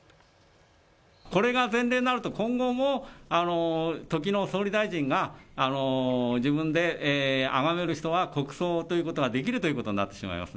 これが前例になると今後も時の総理大臣が自分であがめる人が国葬ということができるということになってしまいます。